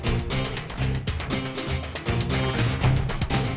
kain menipu mu dan tujuan hidup weirdil